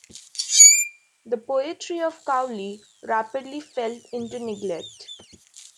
The poetry of Cowley rapidly fell into neglect.